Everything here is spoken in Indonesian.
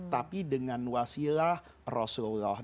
tapi dengan wasilah rasulullah